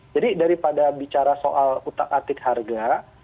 jadi daripada bicara soal utang aktif harga